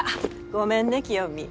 ごめんね清美。